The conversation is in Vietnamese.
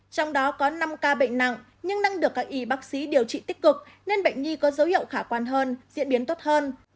trong đó có năm ca bệnh nặng nhưng đang được các y bác sĩ điều trị tích cực nên bệnh nhi có dấu hiệu khả quan hơn diễn biến tốt hơn